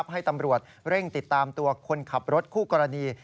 ให้ตำรวจเร่งติดตามตัวคนขับรถคู่กรณี